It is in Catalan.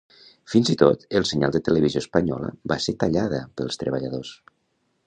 Fins i tot el senyal de Televisió Espanyola va ser tallada pels treballadors.